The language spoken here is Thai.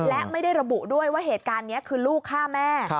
และไม่ได้ระบุด้วยว่าเหตุการณ์นี้คือลูกฆ่าแม่